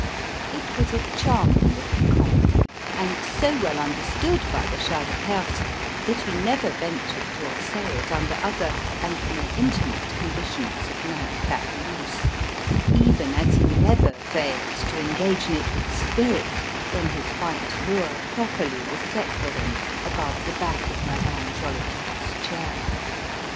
It was a charming little comedy and so well understood by the Shah de Perse that he never ventured to essay it under other, and more intimate, conditions of night cap use; even as he never failed to engage in it with spirit when his white lure properly was set for him above the back of Madame Jolicoeur's chair.